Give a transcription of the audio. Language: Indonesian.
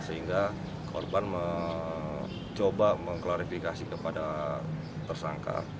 sehingga korban mencoba mengklarifikasi kepada tersangka